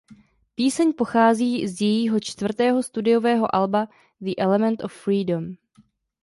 Píseň pochází z jejího čtvrtého studiového alba "The Element of Freedom".